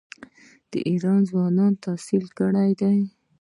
د ایران ځوانان تحصیل کړي دي.